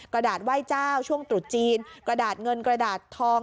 กระดาษไหว้เจ้าช่วงตรุษจีนกระดาษเงินกระดาษทอง